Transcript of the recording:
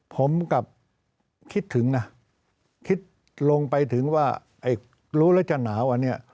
ผมกลับคิดถึงนะคิดลงไปถึงว่าไอ้รู้แล้วจะหนาวอันนี้